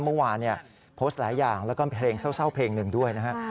เมื่อวานโพสต์หลายอย่างแล้วก็เพลงเศร้าเพลงหนึ่งด้วยนะฮะ